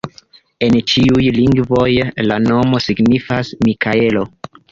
En ĉiuj lingvoj la nomo signifas Mikaelo.